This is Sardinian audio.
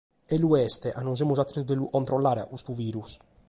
E lu est ca non semus a tretu de lu controllare a custu virus.